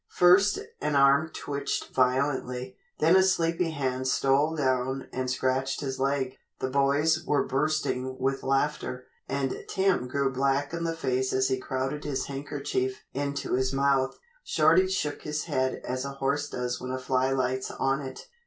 First, an arm twitched violently. Then a sleepy hand stole down and scratched his leg. The boys were bursting with laughter, and Tim grew black in the face as he crowded his handkerchief into his mouth. Shorty shook his head as a horse does when a fly lights on it.